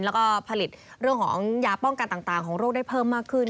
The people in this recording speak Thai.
แล้วก็ผลิตเรื่องของยาป้องกันต่างของโรคได้เพิ่มมากขึ้น